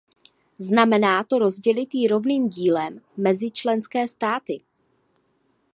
Znamená to rozdělit ji rovným dílem mezi členské státy.